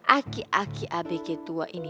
aki aki abk tua ini